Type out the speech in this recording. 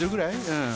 うん。